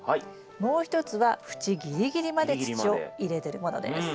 もう一つは縁ギリギリまで土を入れてるものです。